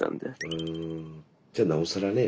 じゃなおさらね